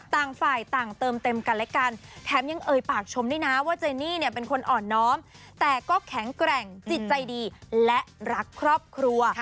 ต่างฝ่ายต่างเติมเต็มกันและกันแถมยังเอ่ยปากชมด้วยนะว่าเจนี่เนี่ยเป็นคนอ่อนน้อมแต่ก็แข็งแกร่งจิตใจดีและรักครอบครัว